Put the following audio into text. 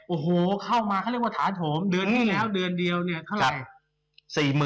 โอ้โหเข้ามาเขาเรียกว่าถาโถมเดือนที่แล้วเดือนเดียวเนี่ยเท่าไหร่